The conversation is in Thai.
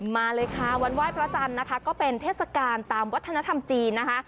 มาเลยค่ะวันไหว้พระจันทร์นะคะก็เป็นเทศกาลตามวัฒนธรรมจีนนะคะ